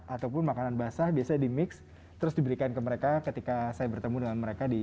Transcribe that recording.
ataupun makanan basah biasanya di mix terus diberikan ke mereka ketika saya bertemu dengan mereka di